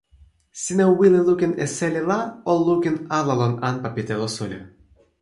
sina wile lukin e seli la o lukin ala lon anpa pi telo suli.